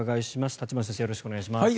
よろしくお願いします。